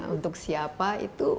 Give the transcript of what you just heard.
untuk siapa itu